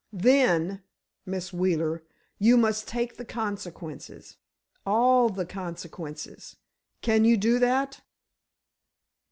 "Then—Miss Wheeler, you must take the consequences—all the consequences. Can you do that?"